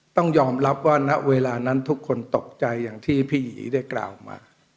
ต้องยอมรับว่าณเวลานั้นทุกคนตกใจอย่างที่พี่หยีได้กล่าวมา